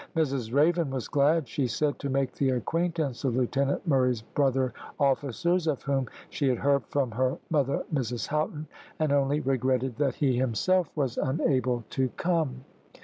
Mrs Raven was glad, she said, to make the acquaintance of Lieutenant Murray's brother officers, of whom she had heard from her mother, Mrs Houghton, and only regretted that he himself was unable to come.